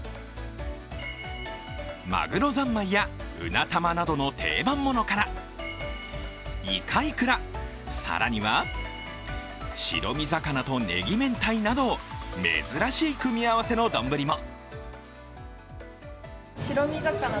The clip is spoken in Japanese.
まぐろ三昧やうな玉などの定番ものから、いかいくら、更には白身魚とねぎ明太など珍しい組み合わせの丼も。